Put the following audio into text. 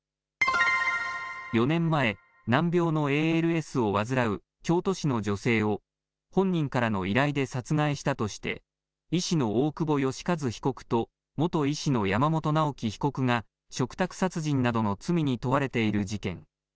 ４年前、難病のＡＬＳを患う京都市の女性を、本人からの依頼で殺害したとして、医師の大久保愉一被告と元医師の山本直樹被告が、嘱託殺人などの罪に問われている事件。